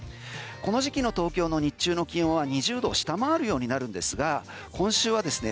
この時期の東京の日中の気温は２０度を下回るようになるんですが今週はですね